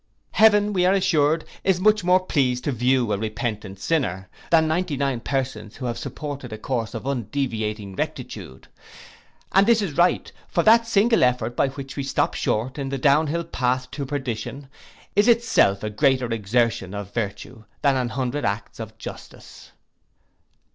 Heaven, we are assured, is much more pleased to view a repentant sinner, than ninety nine persons who have supported a course of undeviating rectitude. And this is right; for that single effort by which we stop short in the downhill path to perdition, is itself a greater exertion of virtue, than an hundred acts of justice.